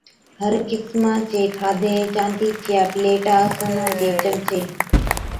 هر قِسما چَي کاڌَي، چاندِي چِيا پليٽا، سونا چين چمچين